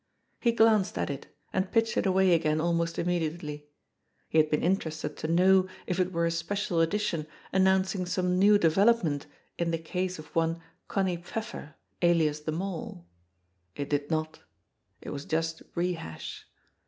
He glanced at it, and pitched it away again almost immediately. He had been interested to know if it were a special edition announcing some new development in the case of one Connie Pfeffer, alias the Mole. It did not. It was just re hash.